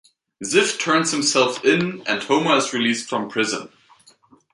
Ziff turns himself in, and Homer is released from prison.